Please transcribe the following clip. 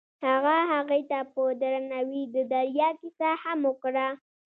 هغه هغې ته په درناوي د دریا کیسه هم وکړه.